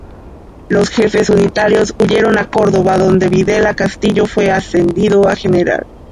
Los jefes unitarios huyeron a Córdoba, donde Videla Castillo fue ascendido a general.